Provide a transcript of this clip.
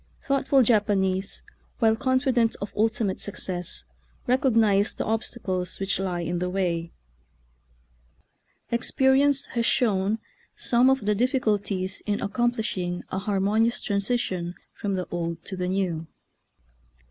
Thoughtful Japanese, while confident of ultimate success, recognize the obstacles which lie in the way. Experience has Vol. XCV.— No. 570.— 99 shown some of the difficulties in accom plishing a harmonious transition from the old to the new.